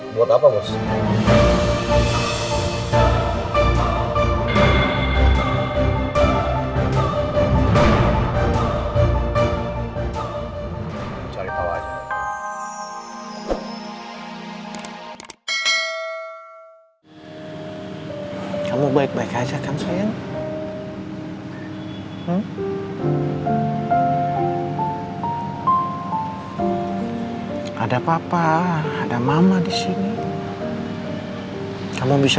buat apa bos